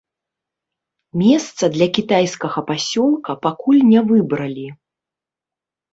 Месца для кітайскага пасёлка пакуль не выбралі.